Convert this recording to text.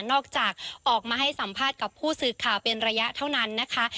ออกมาให้สัมภาษณ์กับผู้สื่อข่าวเป็นระยะเท่านั้นนะคะ